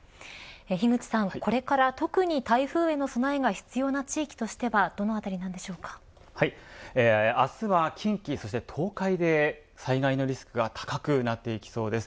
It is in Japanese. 樋口さん、これから特に台風への備えが必要な地域としては明日は近畿、そして東海で災害のリスクが高くなっていきそうです。